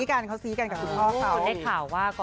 เขาเรียกพ่อน่ารัก